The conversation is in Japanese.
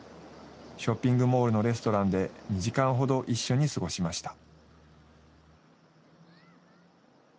ショッピングモールのレストランで２時間ほど一緒に過ごしました。